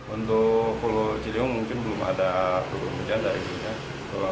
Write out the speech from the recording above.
untuk hulu ciriung mungkin belum ada berhubungan dari sungai